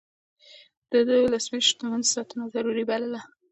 ده د ولسي شتمنيو ساتنه ضروري بلله.